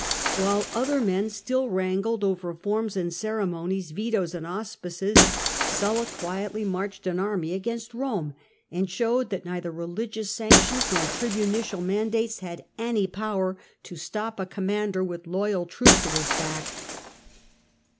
While other men still wrang led over forms and ceremonies, vetoes and auspices, , Sulla quietly marched an army against Rome, and showed that neither religious sanctions nor tribunicial mandates had any power to stop a commander with loyal troops at his back.